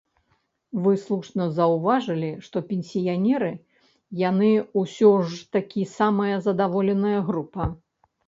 Вы слушна заўважылі, што пенсіянеры, яны ўсё ж такі самая задаволеная група.